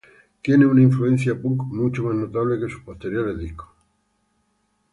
Tiene una influencia punk mucho más notable que sus posteriores discos.